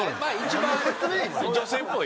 一番女性っぽい。